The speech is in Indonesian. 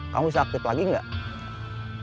kamu bisa aktif lagi nggak